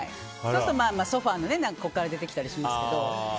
そうするとソファのとこから出てきたりしますけど。